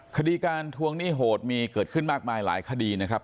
คดีการทวงหนี้โหดมีเกิดขึ้นมากมายหลายคดีนะครับ